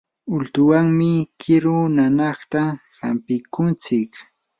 ultuwanmi kiru nanayta hampikuntsik.